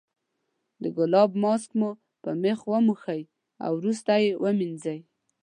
د ګلاب ماسک مو په مخ وموښئ او وروسته یې ومینځئ.